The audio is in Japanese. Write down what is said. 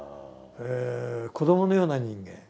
子どものような人間。